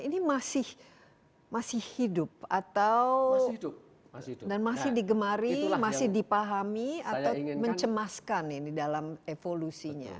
ini masih hidup atau dan masih digemari masih dipahami atau mencemaskan ini dalam evolusinya